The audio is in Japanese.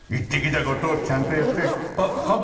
あっ、監督。